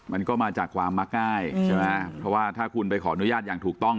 มันก็มาจากความมักง่ายใช่ไหมเพราะว่าถ้าคุณไปขออนุญาตอย่างถูกต้อง